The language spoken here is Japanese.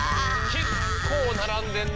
結構並んでんな。